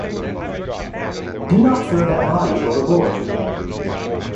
Do not throw that body overboard!